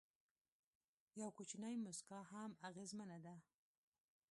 یو کوچنی موسکا هم اغېزمنه ده.